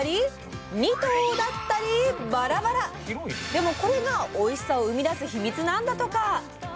でもこれがおいしさを生み出すヒミツなんだとか。